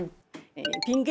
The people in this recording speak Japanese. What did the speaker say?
ピン